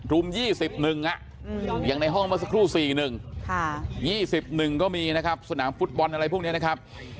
รุม๒๑อย่างในห้องเมื่อสักครู่๔๑๒๑ก็มีนะครับสนามฟุตบอลอะไรพวกนี้นะครับ